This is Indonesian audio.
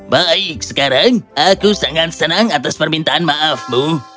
baik sekarang aku sangat senang atas permintaan maafmu